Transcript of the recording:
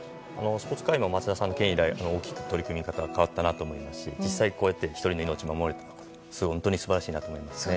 スポーツ界も松田さんの件以来大きく取り組み方が変わったなと思いますし実際にこうして１人の命を守れて本当に素晴らしいなと思います。